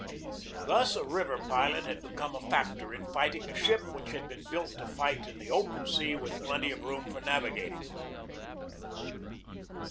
Thus a river pilot had become a factor in fighting a ship which had been built to fight in the open sea with plenty of room for manoeuvring.